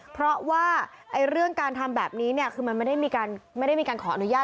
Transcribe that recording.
เพราะว่าเรื่องการทำแบบนี้คือมันไม่ได้มีการขออนุญาต